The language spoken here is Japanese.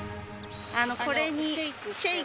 これに。